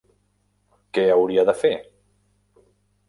Què hauria de fer?